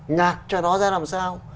nhạc cho nó ra làm sao